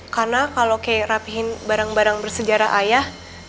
karena kalau kay rapihin barang barang bersejarah ayah